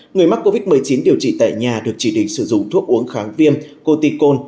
người mắc covid một mươi chín điều trị tại nhà được chỉ định sử dụng thuốc uống kháng viêm cotico